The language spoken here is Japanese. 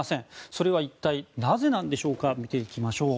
それは一体なぜなんでしょうか。